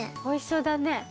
おいしそうだね。